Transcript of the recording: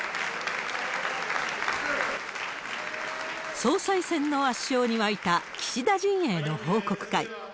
総裁選の圧勝に沸いた岸田陣営の報告会。